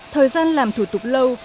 thời gian làm thủ tục lâu